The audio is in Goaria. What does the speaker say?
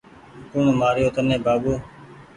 ڪوٚڻ مآري يو تني بآبو